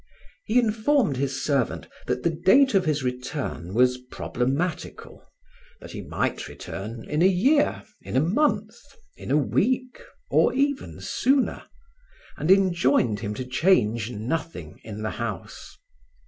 He informed his servant that the date of his return was problematical, that he might return in a year, in a month, in a week, or even sooner, and enjoined him to change nothing in the house.